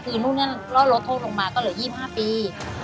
คือนู่นนั่นก็ลดโทษลงมาก็เหลือ๒๕ปี